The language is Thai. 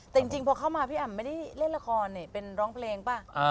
แต่จริงพอเข้ามาพี่อ่ำไม่ได้เล่นละครนี่เป็นร้องเพลงป่ะ